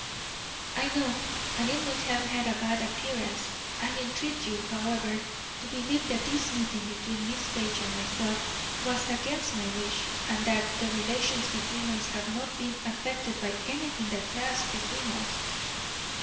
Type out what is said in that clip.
"I know, and it must have had a bad appearance. I entreat you, however, to believe that this meeting between Miss Page and myself was against my wish, and that the relations between us have not been affected by anything that passed between us."